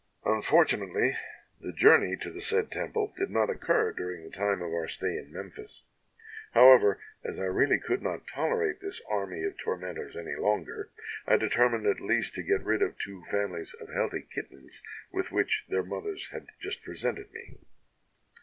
"Unfortunately the journey to the said temple did not occur during the time of our stay in Memphis; how ever, as I really could not tolerate this army of tormen tors any longer, I determined at least to get rid of two famines of healthy kittens with which their mothers had just presented me.